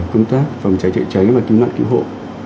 công tác phòng cháy chữa cháy và cứu nạn cứu hộ